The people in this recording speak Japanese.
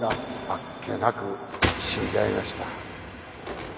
あっけなく死んじゃいました